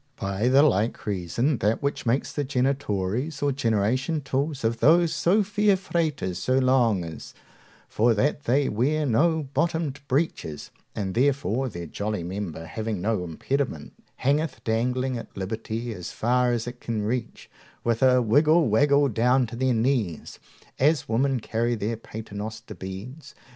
By the like reason, that which makes the genitories or generation tools of those so fair fraters so long is, for that they wear no bottomed breeches, and therefore their jolly member, having no impediment, hangeth dangling at liberty as far as it can reach, with a wiggle waggle down to their knees, as women carry their paternoster beads.